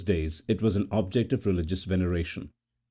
43 J days it was an object of religious veneration.